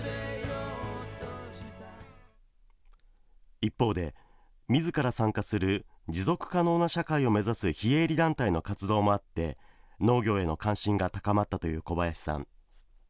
一方で、みずから参加する持続可能な社会を目指す非営利団体の活動もあって農業への関心が高まったという小林さん。